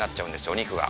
お肉が。